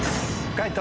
解答